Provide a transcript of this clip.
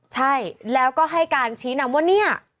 ใช่แล้วก็ให้การชี้นำว่าเนี่ย